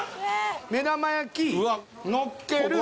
目玉焼き載っける。